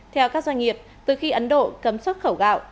theo các doanh nghiệp từ khi ấn độ cấm xuất khẩu gạo